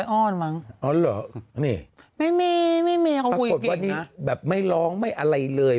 ก็อ่อนนั้นว่าเยอะเห็นไหมได้เลย